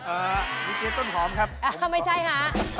เอ่อก๋วยเตี๋ยวต้นหอมครับไม่ใช่ค่ะ